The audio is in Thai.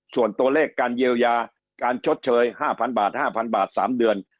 ส่วนตัวเลขการเยียวยาการชดเชย๕๐๐บาท๕๐๐บาท๓เดือน